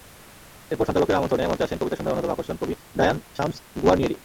এরপর সঞ্চালকের আমন্ত্রণে মঞ্চে আসেন কবিতাসন্ধ্যার অন্যতম আকর্ষণ কবি ডায়ান সাহমস গুয়ারনিয়েরি।